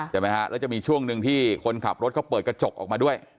ใช่ไหมฮะแล้วจะมีช่วงหนึ่งที่คนขับรถเขาเปิดกระจกออกมาด้วย